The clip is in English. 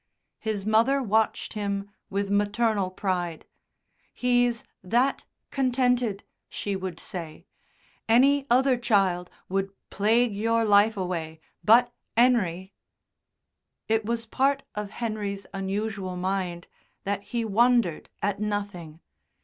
His mother watched him with maternal pride. "He's that contented!" she would say. "Any other child would plague your life away, but 'Enery " It was part of Henry's unusual mind that he wondered at nothing.